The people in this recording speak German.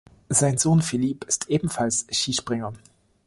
Sein Sohn Filip ist ebenfalls Skispringer.